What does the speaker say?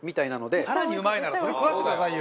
カズレーザー：更にうまいならそれ食わせてくださいよ。